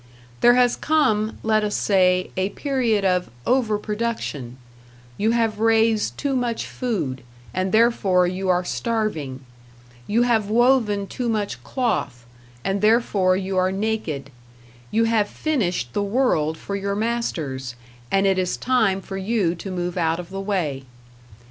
There has come, let us say, a period of "overproduction"; you have raised too much food, and therefore you are starving, you have woven too much cloth, and therefore you are naked, you have finished the world for your masters, and it is time for you to move out of the way.